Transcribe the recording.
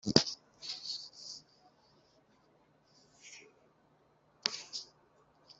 Por muchos años, controlaba una de las dos federaciones de trabajadores allí.